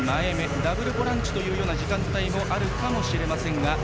ダブルボランチの時間帯もあるかもしれませんが。